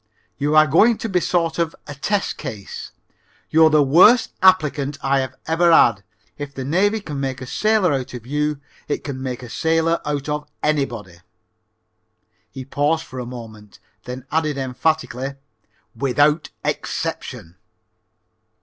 "You are going to be a sort of a test case. You're the worst applicant I have ever had. If the Navy can make a sailor out of you it can make a sailor out of anybody"; he paused for a moment, then added emphatically, "without exception."